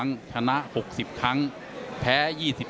นักมวยจอมคำหวังเว่เลยนะครับ